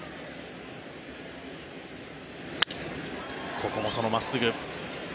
ここもその真っすぐ。